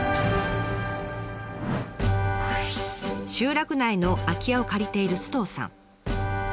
集落内の空き家を借りている首藤さん。